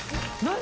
何？